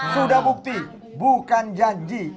sudah bukti bukan janji